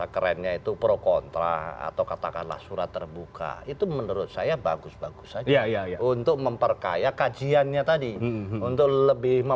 terima kasih terima kasih